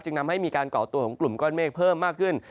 นำให้มีการก่อตัวของกลุ่มก้อนเมฆเพิ่มมากขึ้น